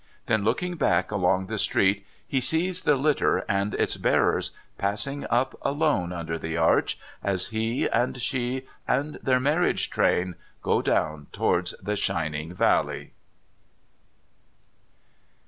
Then, looking hack along the street, he sees the litter and its hearers passing up alone under the arch, as he and she and their marriage train go down towards the shining valley.